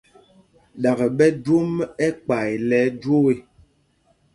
Ɗaka!ɓɛ jwom ɛkpay lɛ ɛjwoo ê.